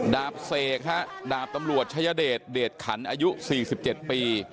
ดาบเสกฮะดาบตำรวจชายเดชเดชขันอายุ๔๗ปี